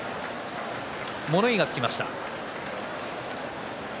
物言いがつきました。